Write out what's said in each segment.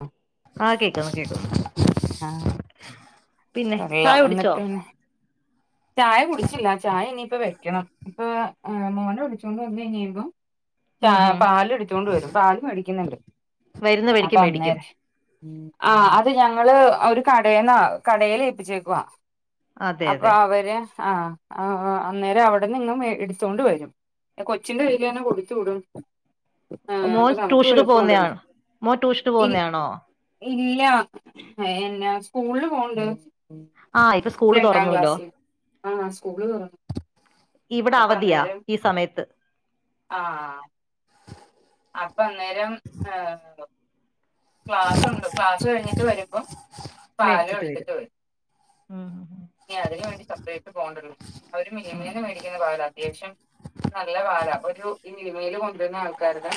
മം ആ കേക്കന്ന് കേക്കുന്നു ആ പിന്നെ ചായ കുടിച്ചോ ഇപ്പ വെക്കണം ഇപ്പ മോനെ വിളി ച്ചൊണ്ട് വന്ന് കഴിഞ്ഞ് കഴിയുമ്പോ ഉം ഉം പാല് എടുത്തുകൊണ്ട് വരും പാല് മേടിക്കുന്നുണ്ട് വരുന്ന വഴിക്ക് അപ്പോ മേടിക്കും അന്നേരം മം ആ അത് ഞങ്ങള് ഒരു കടേന്നാ കടേല് ഏപ്പിച്ചേക്കുവ അതെ അതെ അപ്പോ അവര് ആ അന്നേരം അവിടെന്ന് ഇങ്ങ് മേടിച്ചുകൊണ്ട് വരും കൊച്ചിന്റെ പേരിലങ്ങു കൊടുത്തു വിടും ആ മോൻ അപ്പോ നമുക്ക് ട്യൂഷന് എളുപ്പമു ണ്ടല്ലോ പോകുന്നയാണ് മോൻ ട്യൂഷന് ഇനി പോകുന്നയാണോ ഇല്ല അയെന്നാ സ്കൂളില് പോണു ണ്ട് ആ ഇപ്പൊ സ്കൂള് തൊറന്നൂല്ലോ ആ സ്കൂള് തൊറന്നു ഇവിടെ അപ്പോ അവധിയാ അന്നേരം ഈ സമയത്ത് ആ അപ്പോ അന്നേരം [unintelligible] ക്ലാസുണ്ട് ക്ലാസ് കഴിഞ്ഞിട്ട് വരുമ്പോം പാല് എടുത്തിട്ട് വരും ഉം ഇനി അതിന് വേണ്ടി സെപ്പറേറ്റ് പോകണ്ടല്ലോ അവര് മിൽമയിന്ന് മേടിക്കുന്ന പാലാ അത്യാവശ്യം നല്ല പാലാ അപ്പൊ ഒരു മിൽമയിൽ കൊണ്ടുവരുന്ന ആൾക്കാരടെ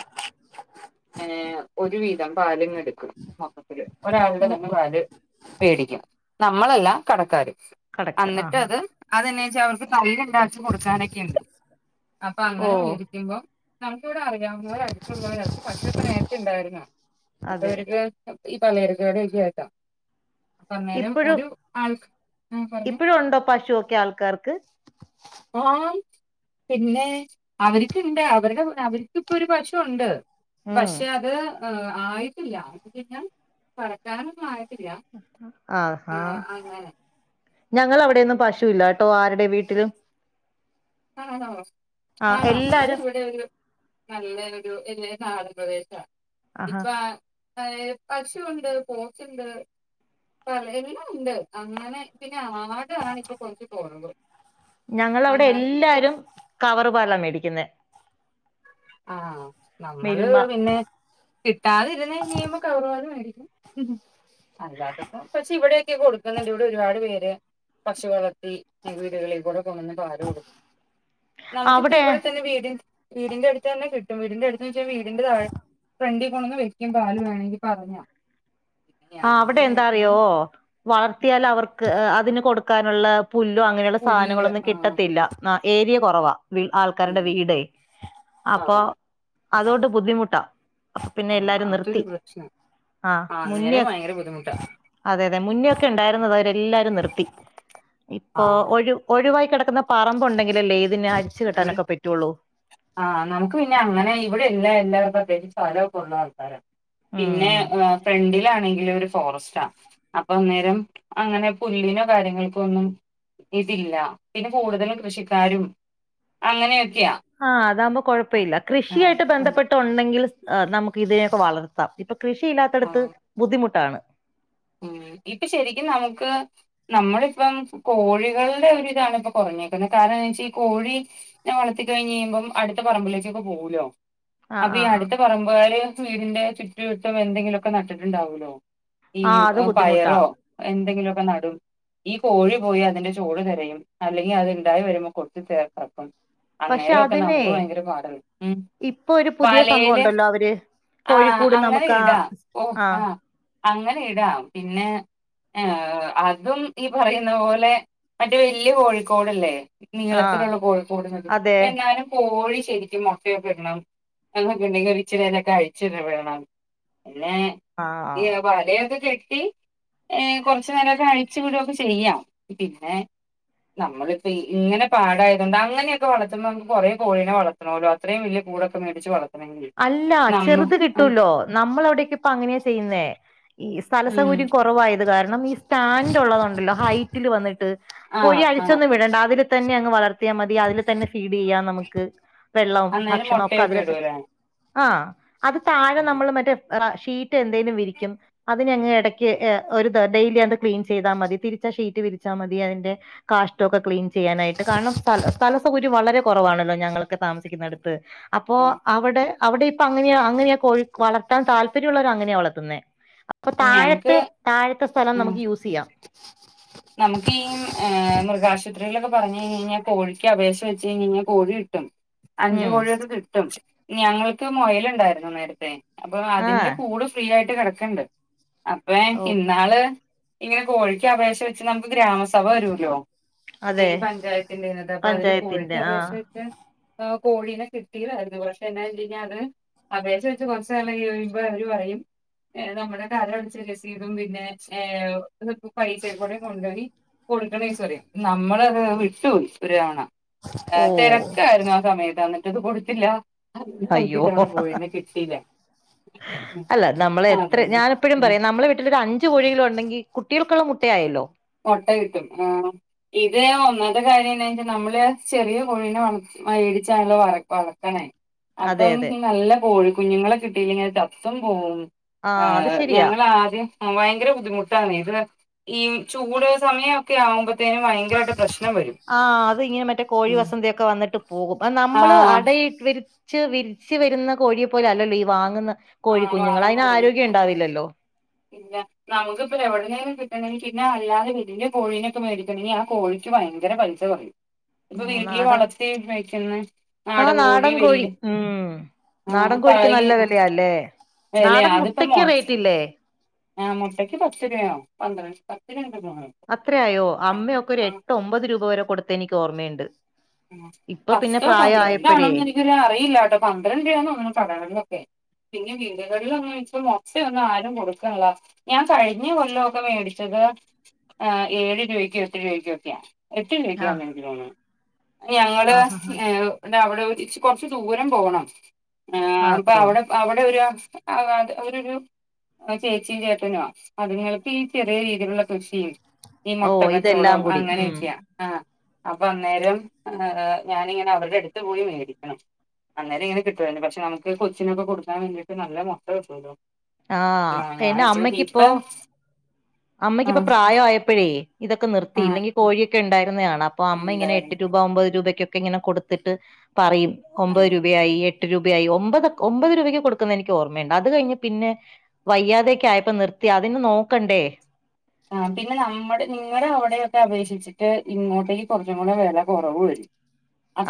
ഏ ഒരു വീതം പാല് എടുക്കും മൊത്തത്തില് ഒരാളുടെ മു തന്നെ പാല് മേടിക്കും നമ്മളല്ല കടക്കാര് കടക്ക് അന്നിട്ട് ആഹാ അത് അതെന്നാ വെച്ചാ അവർക്ക് നല്ല പ്രാവശ്യം കൊടുക്കാനൊക്കെ ഉണ്ട് അപ്പൊ ഓ അങ്ങനെ മേടിക്കുമ്പോ ഇപ്പൊ ഇവിടെ അറിയാന്നവര് അടുത്തുള്ളവര് ഒക്കെ പശുവൊക്കെ നേരത്തെ ഉണ്ടായിരുന്നാ ഇപ്പൊ അതെ അവര്ക്കു ഈ പലചരക്കുകടയൊക്കെയായിട്ടാ അപ്പോ അന്നേരം ഇപ്പഴും ഒരു ആൾക്ക് ആ പറഞ്ഞോ ഇപ്പഴും ഉണ്ടോ പശുവൊക്കെ ആൾക്കാർക്ക് പിന്നെ അവര്ക്ക്ണ്ട് അവരുടെ അവർക്കിപ്പോ ഒരു പശു ഉണ്ട് ഉം പക്ഷേ അത് ആ ആയിട്ടില്ല ആയി കഴിഞ്ഞാൽ കറക്കാൻ ഒന്നും ആയി ആ ഹാ അങ്ങനെ ഞങ്ങളടെ അവിടെയൊന്നും പശുഇല്ല കേട്ടോ ആരുടെ വീട്ടിലും ആണോ ആഹ് ആണോ നമ്മടെ എല്ലാരും ഇവിടെ ഒരു നല്ലൊരു ഏരിയ നാടൻ പ്രദേശമാ ആഹാ ഇപ്പൊ ആ നറയെ പശുണ്ട് പോത്തുണ്ട് കുറെയണം ഉണ്ട് അങ്ങനെ പിന്നെ ആട് വാങ്ങിച്ചെന്ന് തോന്നുന്നു ഞങ്ങളെടെവിടെ എല്ലാവരും കവറുപാലാ മേടിക്കുന്നത് ആ നമ്മള് പിന്നെ കിട്ടാതിരുന്നു ക ഴിയുമ്പോ കവർ പാല് മേടി മം അല്ലാത്തപ്പം പക്ഷേ ഇവിടെക്കെ കൊടുക്കുന്നുണ്ട് ഇവിടെ ഒരുപാട് പേര് പശു വള ഈ വീടുകളിൽ കൂടെ കൊണ്ടുവന്ന് പാല് കൊടുക്ക നമുക്കിപ്പോ അവിടെ ഇവിടെ തന്നെ വീടിന്റെ വീടിന്റെ അടുത്ത് തന്നെ കിട്ടുംവീ ടിന്റെ അടുത്തന്ന് വെച്ചാ വീടിന്റെ താ ഫ്രണ്ടിൽ കൊണ്ടുവന്ന് വയ്ക്കും പാല് വേണങ്കിൽ പറഞ്ഞാ പിന്നെ ആ അവിടെ ഞങ്ങള് നോക്കുമ്പോ എന്താറിയൊ വളർത്തിയാൽ അവർക്ക് അതിന് കൊടുക്കാനുള്ള പുല്ലോ അങ്ങനെയുള്ള പുല്ല് സാധനങ്ങളൊന്നും ആ കിട്ടത്തില്ല ആ ഏരിയ കൊറവാ വീ ആൾക്കാരുടെ ഉം വീട് ആ അപ്പോ അതൊണ്ട് ബുദ്ധിമുട്ടാ പിന്നെ ആ എല്ലാരും അതൊരു നിർത്തി പ്രശ്നം ആ മുന്നേ അന്നേരം ഭയങ്കര ബുദ്ധിമുട്ടാ അതെ അതെ മുന്നേയെക്കെ ഉണ്ടായിരുന്നുന്നതാ അവരെല്ലാവ രും നിർത്തി ആ ഇപ്പൊ ഒഴു ഒഴിവായി കിടക്കന്ന പറമ്പ് ഉണ്ടെങ്കിലല്ലേ ഇ ആ നമുക്ക് പിന്നെ അങ്ങനെ ഇവിടെയില്ല എല്ലാവ ല്ലാരും സ്ഥലമൊക്കെ ഉള്ള ആൾക്കാര പിന്നെ ഉം ഫ്രണ്ടിലാണെങ്കി [unintelligible] ഫോറസ്റ്റാ അപ്പൊ അന്നേരം അങ്ങനെ പുല്ലിനോ കാര്യങ്ങൾക്കോ ഒന്നും ഇതില്ല പിന്നെ കൂടുതലും കൃഷിക്കാരും അങ്ങനെയൊ ആ അതാവുമ്പോ കുഴപ്പവില്ല ആഹ് കൃഷിയായിട്ട് ഉം ബന്ധപ്പെട്ട് ഉണ്ടെങ്കില് ആ നമുക്ക് ഇതിനെയൊക്കെ വളർത്താം ഇപ്പൊ കൃഷിയില്ലാത്തടുത്ത് ആഹ് ബുദ്ധിമുട്ടാണ് ഉം ഇപ്പൊ ശരിക്കും നമുക്ക് നമ്മളിപ്പം കോഴികളുടെ ഒരുതാണ് ഇപ്പം കുറഞ്ഞേക്കുന്നേ കാര കാരണം എന്നാന്നുവച്ചാ കോഴി നേ വളർത്തി കഴിയുമ്പം അടുത്ത പറമ്പിലേക്കൊക്കെ പോകൂലോ ആ അപ്പൊ ആ ഈ ആ അടുത്ത പറമ്പുകാര് വീടിൻ്റെ ചുറ്റുവട്ടം എന്തെങ്കിലുമൊക്കെ നട്ടിട്ടുണ്ടാവൂല്ലോ ഈ ആ അത് ബുദ്ധിമുട്ടാ പയറോ എന്തെങ്കിലും നടും ഈ കോഴി പോയി അതിന്റെ ചോട് തിരയും അല്ലെങ്കി അതുണ്ടായി വരുമ്പോൾ കൊത്തി [unintelligible] പക്ഷെ അന്നേരം ഒക്കെ അതിനെ നമുക്ക് ഭയങ്കര പാടല്ലേ ഉം ഇപ്പൊ ഒരു പുതിയ സംഭവം വലയില് ഉണ്ടല്ലോ അവര് ആ കോഴിക്കൂട് അങ്ങനെ നമുക്ക് ആ ഇടാ ഓ ആ അങ്ങനെ ഇടാം പിന്നെ ആ അതും ഈ പറയുന്ന പോലെ മറ്റേ വല്യ കോഴിക്കോടല്ലേ ആ നീളത്തിലുള്ള കോഴിക്കൂട് [unintelligible] അതെ എന്നാലും കോഴി ശരിക്കും മുട്ടയൊക്കെ ഇടണം [unintelligible] ഉണ്ടെങ്കിൽ ഇച്ചിരി നേരവൊക്കെ അഴിച്ചൊക്കെ വിടണം പിന്നെ ഈ ആ വലയൊക്കെ കെട്ടി കുറച്ചു നേരൊക്കെ അഴിച്ചു വിടുവൊക്കെ ചെയ്യാം പിന്നെ നമ്മളിപ്പോ ഇങ്ങനെ പാടായത് കൊണ്ട് അങ്ങനെയൊക്കെ വളർത്തുമ്പോ നമുക്ക് കുറെ കോഴീനെ വളർത്തണല്ലോ അത്രയും വലിയ കൂടൊക്കെ മേടിച്ച് വള അല്ല ചെറുത് കിട്ടൂല്ലോ നമ്മള് അവിടക്കേ ഇപ്പം അങ്ങനെയാ ചെയ്യുന്നേ ഈ സ്ഥല ഉം സൗകര്യം കൊറവായത് കാരണം ഈ സ്റ്റാൻഡ് ഒള്ളതൊണ്ടല്ലോ ഹൈറ്റില് വന്നിട്ട് ആഹ് കോഴിയെ ആഹ് അഴിച്ചൊന്നും വിടണ്ട അതില് തന്നെ അങ്ങ് വളർത്തിയാ മതി അതില് തന്നെ ഫീഡ് ചെയ്യാം നമുക്ക് വെള്ളോം അന്നേരം ഭക്ഷണവും ഒക്കെ മുട്ടയൊക്കെ അതില് സെ ഇടൂലേ ആഹ് അത് താഴെ ആഹ് നമ്മള് മറ്റേ ഷീറ്റ് എന്തേലും വിരിക്കും അതിനെയങ്ങ് എടക്ക് ഒരു ഡെയിലി അത് ക്ലീൻ ചെയ്താൽ മതി തിരിച്ച ഷീറ്റ് വിരിച്ചാ മതി അതിന്റെ കാഷ്ടവൊക്കെ ക്ലീൻ ചെയ്യാനായിട്ട് കാരണം സ്ഥല സ്ഥലസൗകര്യം വളരെ കൊറവാണല്ലോ ഞങ്ങളൊക്കെ താമസിക്കുന്ന അടുത്ത് അപ്പോ ആഹ് അവടെ അവടെ ഇപ്പോ അങ്ങനെയ അങ്ങനെയാ കോഴി വളർത്താൻ താല്പര്യ ഒള്ളവര് അങ്ങനെയാ വളർത്തുന്നെ അപ്പ ഞങ്ങക്ക് താഴത്ത് താഴത്തെ സ്ഥലം ഉം നമുക്ക് യൂസ് ചെയ്യാം നമുക്ക് ഈ ഏഹ് മൃഗാശുപത്രിയിലൊക്കെ പറഞ്ഞ് കഴിഞ്ഞെഴ്ഞ്ഞാ കോഴിക്ക് അപേക്ഷ വെച്ച് കഴിഞ്ഞെഴ്ഞ്ഞാ കോഴി കിട്ടും അഞ്ച് ഉം കോഴിയൊക്കെ കിട്ടും ഞങ്ങെക്ക് മൊയൽ ഇണ്ടായിരുന്നു നേര്ത്തെ അപ്പ അതിന്റെ ആഹ് കൂട് ഫ്രീ ആയിട്ട് കെടക്ക്ണ്ട് അപ്പയെ ഓ ഇന്നാൾ ഇങ്ങനെ കോഴിക്ക് അപേക്ഷ വെച്ച് നമുക്ക് ഗ്രാമസഭ വെരൂല്ലോ? അതെ ഈ പഞ്ചായത്തിന്റെത് അപ്പ അതിൽ കോഴിക്ക് പഞ്ചായത്തിന്റെ അപേക്ഷ ആഹ് വെച്ച് എഹ് കോഴീനെ കിട്ടിതായിരുന്നു പക്ഷെ എന്നാ വെച്ചുകഴിഞ്ഞാ അത് അപേക്ഷ വെച്ച് കൊർച്ച് നാൾ കയ്യോയുമ്പോ അവെര് പറയും ഏഹ് നമ്മുടെ കരം അടച്ച രസീതും പിന്നെ ഏഹ് [unintelligible] പൈസെയും കൂടെ ഇങ്ങ് കൊണ്ടു വെരി കൊട്ക്ക്ണ ഡേയ്‌സ് പറിയും. നമ്മെൾ അത് വിട്ടുപോയി ഒര് തവണ ഓ അഹ് തെരക്കായിരുന്നു ആ സമയെത്ത് അന്ന് ഇന്നെട്ട് കൊട്ത്തില്ല അയ്യോ [unintelligible] പോയി പിന്നെ കിട്ടിയില്ല അല്ല നമ്മെൾ എത്ര അതുകൊണ്ട് ഞാൻ എപ്പെഴും ഉം പറയും നമ്മളെ വീട്ടിൽ ഒര് അഞ്ച് കോഴി എങ്കിലും ഒണ്ടെങ്കി കുട്ടികൾക്ക് ഇള്ള മുട്ടയായല്ലോ മൊട്ട കിട്ടും ആഹ് ഇത് അയിന് ഒന്നാമത്തെ കാര്യം എന്നാ വെച്ചാ നമ്മളെ ആഹ് ചെറിയ കോഴിനെ വളർ [unintelligible] [unintelligible] വര വളർത്തണേ അതെ അപ്പം അതെ ഇൻക്ക് നല്ല കോഴി കുഞ്ഞ്ങ്ങളെ കിട്ടിയിലെങ്കി അത് ചത്തും പോവും അത് ആഹ് ശരിയാ ഞങ്ങെള് ആദ്യം ഉം ഭയങ്കര ബുദ്ധിമുട്ടാണേ ഇത് ഈ ചൂട് സമയൊക്കെ ആവുമ്പോ ആഹ് അത് ഇങ്ങനെ മറ്റേ കോഴി വസന്തെയൊക്കെ വന്ന്ട്ട് പോകും അയ് നമ്മെൾ ആഹ് അടയി വിര്ച്ച് വിര്ച്ച് വെര്ന്ന കോഴിയെ പോലെ അല്ലല്ലോ ഈ വാങ്ങ്ന്ന ആഹ് വാങ്ങ്ന്ന കോഴി ഇല്ല നമുക്ക് ഇപ്പ എവ്ട്ന്നേലും കിട്ട് ട്ടണെങ്കി പിന്നെ അല്ലാതെ വെല്ല്യ കോഴിനെക്കെ മേടിക്കണെങ്കി ആ കോഴിക്ക് ഭയങ്കര പൈസ വാങ്ങും ഇപ്പ ആഹ് വീട്ട്ൽ നാടൻ വളെർത്തി വെക്ക്ന്നെ നാടൻ കോഴി വെല്ല്യെ ആഹ് നാടൻ ഇന്നെട്ട് കോഴിക്ക് അയീ നല്ല വിലയാല്ലേ വെലയാ നാടൻ അതിപ്പം മുട്ടയ്ക്ക് മൊട്ട് റേറ്റ് ഇല്ലേ ആഹ് മൊട്ടക്ക് പത്ത് രൂപയാവും പന്ത്രെണ്ട് അത്രയായോ അമ്മയൊക്കെ ഒരു ആ എട്ട് ഒമ്പത് രൂപ വരെ കൊടുത്ത എനിക്ക് ഓർമ്മയ്ണ്ട്. ആഹ് പത്തോ പന്ത്രണ്ടോ ആണോന്ന് എനിക്കൊരു അറിയില്ലാട്ടോ പന്ത്രണ്ട് രൂവയാന്ന് തോന്ന്ണു കടകളിലൊക്കെ പിന്നെ വീടുകളിലൊന്നും ഇപ്പ മുട്ടയൊന്നും ആരും കൊടുക്കണില്ല ഞാൻ കഴിഞ്ഞ കൊല്ലൊക്കെ മേടിച്ച ത് ഏഫ് ഏഴ് രൂവയ്ക്കോ എട്ട് രൂവക്കോ ഒക്കെയാ എട്ട് ആഹ് രൂപയ്ക്കാന്നെനിക്ക് തോന്ന്ണ് ഞങ്ങള് ആഹ് ആഹ് ഏ ടെ അവടെ ഇച്ച് കൊറച്ച് ദൂരം പോവണം. ആഹ് അപ്പൊ അതോ അവടെ അവടെ വെരാ ആ ഭാഗത്ത് ഓരൊരു അത് ചേച്ചീം ചേട്ടനുവാ അതിങ്ങൾക്ക് ഈ ചെറിയ രീതിയിലുള്ള കൃഷി ഈ ഓ ഇതെല്ലാം മുൊട്ടക്കച്ചോടവും കൂടി ഉം അങ്ങനെയക്കയാ ആഹ് അപ്പൊ അന്നേരം ഏന് ഞാനിങ്ങനെ അവര്ടെ അട്ത്ത് പോയി മേടിക്കണം. അന്നേരം ഇങ്ങനെ കിട്ടുവാരുന്നു പക്ഷെ നമുക്ക് കൊച്ചിനൊക്ക കൊടുക്കാൻ വേണ്ടിയിട്ട് നല്ല മൊട്ട കിട്ടൂല്ലോ ആഹ് എന്ന അമ്മക്ക് ഇപ്പോ അമ്മയ്ക്കിപ്പൊ ആഹ് പ്രായായപ്പഴേ ഇതൊക്കെ നിർത്തി ആഹ് ഇല്ലെങ്കി കോഴിയൊക്കെ ഇണ്ടാ രുന്നയാണ് അപ്പൊ അമ്മ ഇങ്ങനെ എന്തായാലും എട്ട് രൂപ ഒമ്പത് രൂപയ്ക്കൊക്കെ ഇങ്ങനെ കൊട്ത്തിട്ട് പറയും ഒമ്പത് ആഹ് രൂപയായി എ ട്ട് രൂപയായി ഒമ്പതക് ഒമ്പത് രൂപയ്ക്ക് കൊടുക്കുന്ന എനിക്ക് ഓർമ്മയുണ്ട് അത് കഴിഞ്ഞ് പിന്നെ വയ്യാതെക്കെ ആയപ്പോ നിർ ത്തി അതിനെ നോക്കണ്ടേ. ആ പിന്നെ നമ്മുടെ നിങ്ങളുടെ അവിടെക്കെ അപേക്ഷിച്ചിട്ട് ഇങ്ങോട്ടേക്ക് കുറച്ചും കൂടെ വില കുറവ് വരും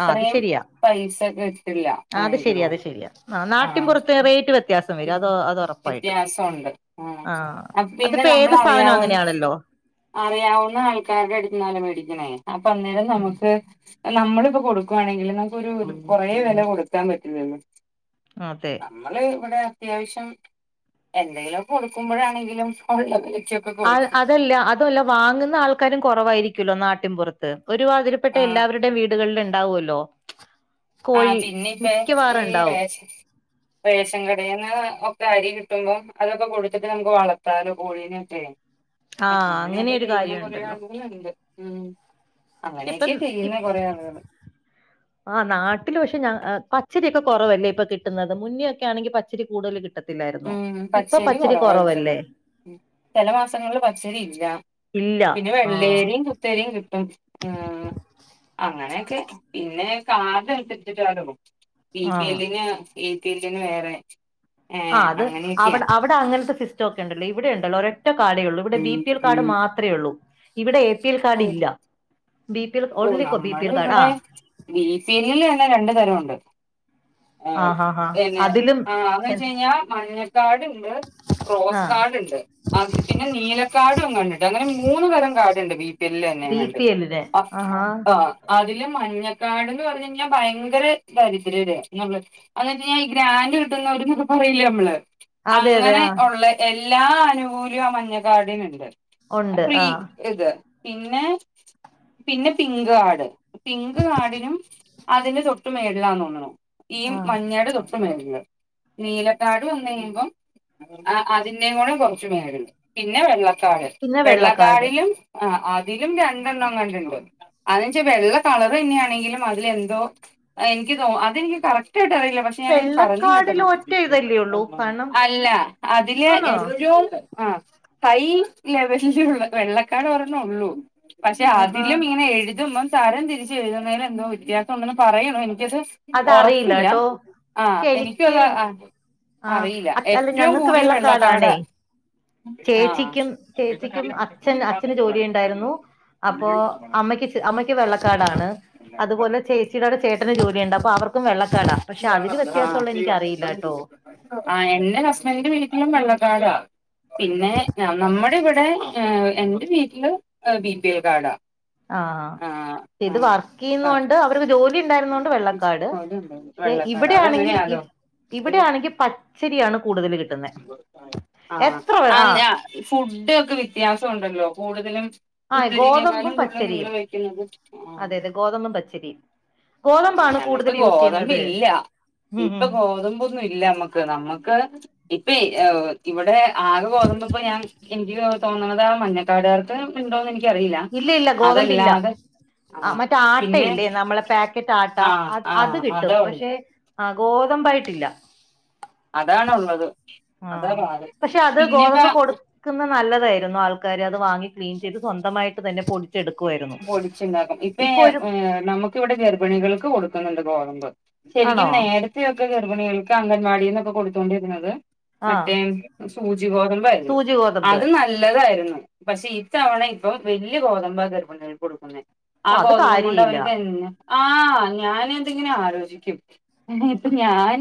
ആ അത് ശരിയാ പൈസ കിട്ടില്ല ആ ആഹ് അത് എനിക്ക് ശരി അത് തോന്നുന്നു ശരിയാ ആ നാട്ടിൻ ആഹ് പുറത്ത് റേറ്റ് വ്യത്യാസം വരും അത് അത് ഉറ പ്പായിട്ടും വ്യത്യാസമുണ്ട് ആഹ് ആ അപ്പ പിന്നെ അതിപ്പോ നമ്മൾ ഏത് സാധനം അറിയാവുന്ന അങ്ങനെയാണല്ലോ അറിയാവുന്ന ആൾക്കാരുടെ അടത്തുന്നാലേ മേടിക്കണേ അപ്പൊ അന്നേരം ഉം നമുക്ക് നമ്മള് പ്പം കൊടുക്കുവാണെങ്കിൽ നമുക്ക് ഒരു കൊറേ വില കൊടുക്കാൻ പറ്റൂല ല്ലോ അതെ നമ്മള് ഇവിടെ അത്യാവശ്യം എന്തെങ്കിലും കൊടുക്കുമ്പോഴാണെങ്കിലും ഉള്ളതുവെച്ചൊക്കെ ആ കൊടു അതല്ല അതുല്ല വാങ്ങുന്ന ആൾക്കാരും കുറവായിരിക്കുല്ലോ നാട്ടിൻപുറത്ത് ഒരുമാതിരിപ്പെട്ട ആഹ് എല്ലാവരുടെയും വീ ടുകളിൽ ഉണ്ടാവുല്ലോ ആ പിന്നെ ഇപ്പ ഈ റേ റേഷൻ കടേന്ന് ഒക്കെ അരി കിട്ടുമ്പോ അതൊക്കെ കൊടുത്തിട്ട് നമുക്ക് വളർത്താലോ കോഴീനെക്കെ ആഹ് അങ്ങനെ അങ്ങനെയൊക്കെ ഒരു ചെയ്യുന്ന കാര്യം കൊറേ ഉണ്ടല്ലോ ആളുകളുണ്ട് ഉം ഇപ്പം അങ്ങനെയൊക്കെ ചെയ്യുന്ന ഇപ് കൊറേ ആളുകള് ആ നാ ട്ടില് പക്ഷെ പച്ചരിയൊക്കെ കുറവല്ലേ ഇപ്പം കിട്ടുന്നത് മുന്നൊക്കെ ആണെങ്കിൽ പച്ചരി കൂടുതൽ കിട്ട ഉം പച്ചരി കൊറവാ കിട്ടുന്നേ ചില മാസങ്ങളില് പച്ചരി ഇല്ല ഇല്ല പിന്നെ ആഹ് വെള്ളരിയും കുത്തരിയും കിട്ടും ഉം അങ്ങനെയൊക്കെ പിന്നെ കാർഡ് അനുസരിച്ചിട്ടോ ബി പി ആഹ് എല്ലിന് എപി എല്ലിന് വേറെ ഏ ആ് അത് അങ്ങനെയൊക്കെയാ അവിടെ അവിടെ അങ്ങനത്തെ സിസ്റ്റം ഒക്കെ ഉണ്ടല്ലോ ഇവിടെ ഉണ്ടല്ലോ ഒരെ ഒറ്റ കാർഡേ ഉള്ളൂ ഇവിടെ ബി ഉം പി എൽ കാർഡ് ഉം മാത്രേ ഒള്ളൂ ഇവിടെ എ പി എൽ ഓ കാർഡ് ഇല്ല ബി പി എൽ ഓ ഓൺലി ബി പി നമ്മള് എൽ കാർഡ് ആ ഇവിടെ ബി പി എലിൽ തന്നെ രണ്ടു തരംണ്ട് ആ ഹാ ഹാ പിന്നെ അതിലും ആ അത് വെച്ചെന്നാ മഞ്ഞക്കാർഡ്ണ്ട് ആ റോസ് കാർഡ്ണ്ട് പിന്നെ നീലക്കാർഡ് ണ്ട് അങ്ങനെ മൂന്നു തരം കാർഡ് ബി പി എല്ലില് ബി തന്നെങ്ങാണ്ട് പി എല്ലിന് ആഹാ അതിലും മഞ്ഞക്കാർഡ്ന്ന് പറഞ്ഞ ഭയങ്കര ദാരിദ്ര്യര് അ എന്ന് വെച്ചാ ഈ ഗ്രാൻഡ് കിട്ടുന്ന ക്ക പറയില്ലേ നമ്മള് അതെ അതെ അങ്ങനെ ആ ഉള്ള എല്ലാ അനുകൂല്യം ആ മഞ്ഞ കാർഡിനുണ്ട് ഉണ്ട് ഫ്രീ ആ ഇത് പിന്നെ പിന്നെ പിങ്ക് കാർഡ് പിങ്ക് കാർഡിനും അതിന്റെ തൊട്ട് മേളിലാന്ന് തോന്ന്ണു ഈ ആ മഞ്ഞയുടെ തൊട്ട് മേളിൽ നീലകാർഡ് വന്ന് കഴിയുമ്പം അതിൻ്റെയുംകൂടെ കുറച്ചു പേരുണ്ട് പിന്നെ വെള്ള കാർഡ് പിന്നെ വെള്ളക്കാർഡ് വെള്ളക്കാർഡിലും ആ അതിലും രണ്ടെണ്ണം എംഗാണ്ടുണ്ട് അതെന്നുവെച്ചാൽ വെള്ള കളർ തന്നെയാണെങ്കിലും അതിലെന്തോ എനിക്ക് തോ അതെനിക്ക് കറക്ടായിട്ട് അറിയ ല്ല പക്ഷെ ഞാന് പറഞ്ഞു വെള്ളക്കാർഡിൽ ഒറ്റ ഇതല്ലേ ഉള്ളൂ കേട്ടിരുന്നു കാരണം അല്ല അതില് ആണോ ആ ഹൈ ലെവലിലുള്ള വെള്ളകാർഡ് ഒരണ്ണേയുള്ളൂ പക്ഷെ ആഹാ അതിലും ഇങ്ങനെ എഴുതുമ്പോ തരം തിരിച്ച് എഴുതുന്നതിൽ എന്തോ വ്യത്യാസം ഉണ്ടെന്ന് പറയുന്നു ഇനി [unintelligible] അതറിയില്ല ഉറപ്പില്ല കേട്ടോ ആ പക്ഷെ എനിക്കും എനിക്ക് അത് ആ അറിയില്ല അ- അല്ല ഏറ്റവും ഞങ്ങക്ക് കൂടിയത് വെള്ളകാർഡ് വെള്ളക്കാർഡാണേ ആ ക്ക് ജോലിയുണ്ടായിരുന്നു അപ്പോ അമ്മയ്ക്ക്ംഅമ്മയ്ക്ക് വെള്ളകാർഡാണ് അതുപോലെ ചേച്ചിയുടോടെ ചേട്ടന് ജോലി ണ്ട് അപ്പൊ അവർക്കും വെള്ള കേട്ടോ [unintelligible] ആ എൻ്റെ ഹസ്ബൻഡിൻ്റെ വീ ട്ടിലും വെള്ളക്കാർഡാ പിന്നെ നമ്മുടെ ഇവിടെ എന്റെ വീട്ടില് ബി പി എൽ കാർഡാ ആഹ് ഇത് വർക്ക് ആഹ് ചെയ്യുന്നതുകൊണ്ട് അവർക്ക് ജോലി ഉണ്ടായിരുന്നതുകൊണ്ട് വെള്ളകാർഡ് അതുണ്ട് വെള്ളക്കാട് ഇവിടെയാണെങ്കിൽ അതങ്ങനെയാലോ ഇവിടെയാണെങ്കിൽ പച്ചരിയാണ് കൂടുതൽ കിട്ടുന്നത് ആഹ് എത്ര വേ ആ ആഹ് ഫുഡ് ഒക്കെ വ്യത്യാസമുണ്ടല്ലോ കൂടുതലും ആഹ് പുത്തരിനേക്കാളും ഗോതമ്പും കൂടുതൽ നിങ്ങൾ പച്ചരിയും വെക്കുന്നത് ആ അതെ അതെ ഗോതമ്പും പച്ചരിയും ഗോതമ്പാണ് ഞങ്ങൾക്ക് കൂടുതൽ യൂസ് ചെയ്യുന്നത് ഗോതമ്പില്ല ഉം ഇപ്പൊ ഉം ഗോതമ്പൊന്നും ഇല്ല നമ്മക്ക് നമ്മക്ക് ഇപ്പ ഇവിടെ ആകെ ഗോതമ്പിപ്പോ ഞാൻ എനി തോന്നണത് ആ മഞ്ഞക്കാർഡുകാർക്ക് ഉണ്ടോന്ന് എനി ഇല്ല ഇല്ല ഗോതമ്പില്ല ആ മറ്റെ ആട്ടയില്ലേ നമ്മ പാക്കറ്റ് ആട്ട ആ ആ അത് കിട്ടും അതാ ഉള്ളു പക്ഷെ ആ ഗോതമ്പായിട്ടില്ല അതാണ് ഉള്ളത് അതാ ആഹ പാട് പക്ഷെ അത് പിന്നെ ഇപ്പ ഗോതമ്പ് കൊടുക്കുന്ന നല്ലതായിരുന്നു ആൾക്കാര് അത് വാങ്ങി ക്ലീൻ ചെയ്ത് സ്വന്തമായിട്ട് തന്നെ പൊടി പൊടിച്ചുണ്ടാക്കും ഇപ്പ ഒരു ഏ് നമുക്ക് ഇവിടെ ഗർഭിണികൾക്ക് കൊടുക്കുന്നുണ്ട് ഗോതമ്പ് ശരിക്കും ആണോ നേരത്തെയൊക്കെ ഗർഭിണികൾക്ക് അങ്കണവാടിയിൽനിന്ന് ഒക്കെ കൊടുത്തുകൊണ്ടിരുന്നത് ആഹ് മറ്റേ സൂചിഗോതമ്പായിരുന്നു സൂചി ഗോതമ്പ് അത് നല്ലതായിരുന്നു പക്ഷെ ഇത്തവണ ഇപ്പം വലിയ ഗോതമ്പ ഗർഭിണികൾക്ക് കൊടുക്കുന്ന ആ ഓ അത് ഗോതമ്പും കൊണ്ട് കാര്യയില്ല അവരൊക്കെ എങ്ങന ആഹ ഞാൻ എന്തെങ്കിലും ആലോചിക്കും ഇപ്പൊ ഞാൻ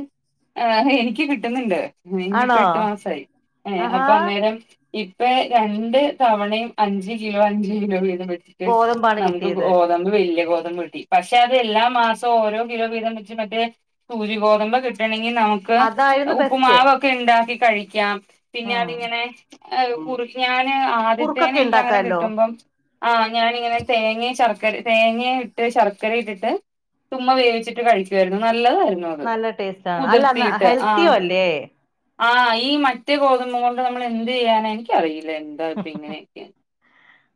ആ അ എനിക്ക് കിട്ടുന്നുണ്ട് ഇനിയിപ്പോ ആണോ എട്ടു മാസമായി ഏ ആഹാ അപ്പൊ അന്നേരം ഇപ്പൊ രണ്ട് തവണയും അഞ്ച് കിലോ അഞ്ച് കിലോ വീതം കി ഗോതമ്പാണ് നമുക്ക് കിട്ടിയത് ഗോതമ്പ് വലിയ ഗോതമ്പ് കിട്ടി പക്ഷെ അത് എല്ലാ മാസവും ഓരോ കിലോ വീതം വെച്ച് മറ്റേ സൂചി ഗോതമ്പ കിട്ടണെ നമുക്ക് അതായിരുന്നു ബെസ്റ്റ് ഉപ്പുമാവൊക്കെ ഉണ്ടാക്കി കഴിക്കാം പിന്നെ ഉം അതിങ്ങനെ കുറച്ച് ഞാന് ആദ്യത്തേന് കുറുക്കൊക്കെ എനിക്കങ്ങനെ ഉണ്ടാക്കാല്ലോ കിട്ടുമ്പം ആഹ് ഞാനിങ്ങനെ തേങ്ങയും ശർക്കര തേങ്ങയും ഇട്ട് ശർക്കരയും ഇട്ടിട്ട് ചുമ്മ വേവിച്ചിട്ട് കഴിക്കുമായിരുന്നു നല്ലതായിരുന്നു അത് നല്ല ടേസ്റ്റ് ആണ് അല്ല കുതിർത്തീട്ട് ആ ഹെൽത്തിയും അല്ലേ അഹ് ഈ മറ്റേ ഗോതമ്പ് കൊണ്ട് നമ്മൾ എന്ത് ചെയ്യാന എനിക്കറിയില്ല എന്താ ഇപ്പ ഇങ്ങനെയൊക്കെയെന്ന്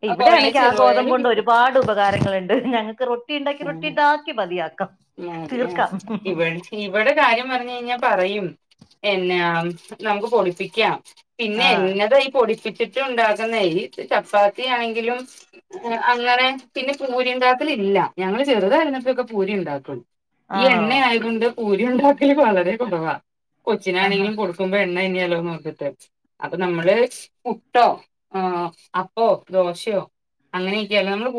ഇവിടെയാണെങ്കി ആ ഗോതമ്പ കൊണ്ട് ഒരുപാട് ഉപകാരങ്ങളുണ്ട് ഞങ്ങൾക്ക് റൊ റൊട്ടി ഉണ്ടാക്കി റൊട്ടി ഉണ്ടാക്കി മതിയാക്കാം മമ് മമ് തീർക്കാം ഇവ ഇവിടെ കാര്യം പറഞ്ഞ് കഴിഞ്ഞാ പറയും എന്നാ നമുക്ക് പൊടിപ്പിക്കാം പിന്നെ ആഹ് എന്നതായി പൊടിപ്പി ചിട്ട് ഉണ്ടാക്കുന്ന ഈ ചപ്പാത്തിയാണെങ്കിലും അങ്ങനെ പിന്നെ പൂരി ഉണ്ടാക്കലില്ല ഞങ്ങള് ചെറുതായിരുന്നപ്പൊക്കെ പൂരി ഉണ്ടാക്കും ഈ ആണോ എണ്ണ ആയതൊണ്ട് പൂരി ഉണ്ടാക്കല് വളരെ കൊറവാ ആഹാ കൊച്ചിനാണെങ്കിലും കൊടുക്കുമ്പോ എ ണ്ണ തിന്ന്യാലോന്ന് ഓർത്തിട്ടെ അപ്പൊ നമ്മള് പുട്ടോ ആ അപ്പോ ദോശയോ അങ്ങനെയൊക്കെയാ നമ്മള് പു